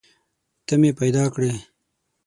ته مې پیدا کړي